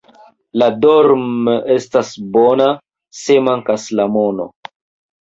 La dorm' estas bona, se mankas la mono.